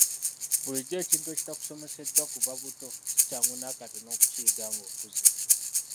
Bulijjo ekintu ekitakusomeseddwa kuva buto si kyangu nakatono okukiyiga ng'okuze.